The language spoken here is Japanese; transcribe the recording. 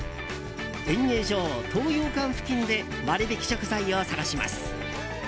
演芸場・東洋館付近で割引食材を探します。